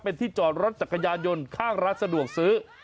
เป็นที่จอดรถจักรยานยนต์ข้างร้านสะดวกซื้อ